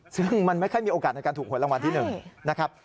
ซึ่งมันไม่ค่อยมีโอกาสในการถูกหวยรางวัลที่๑นะครับ